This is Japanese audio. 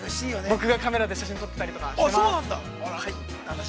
◆僕がカメラで写真を撮ったりします。